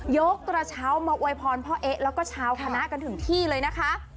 กระเช้ามาอวยพรพ่อเอ๊ะแล้วก็ชาวคณะกันถึงที่เลยนะคะ